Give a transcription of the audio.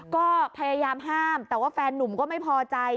ก็พยายามห้ามแต่ว่าแฟนนุ่มก็ไม่พอใจ